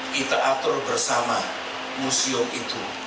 kita atur bersama museum itu